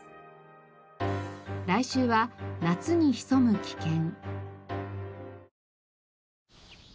来週は夏に潜む危険。